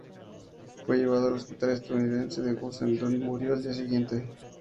Fue llevado al hospital estadounidense de Gusen, donde murió al día siguiente.